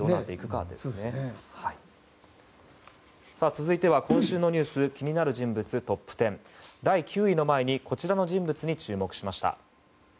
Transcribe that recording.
続いては、今週のニュース気になる人物トップ１０第９位の前にこちらの人物に注目しました。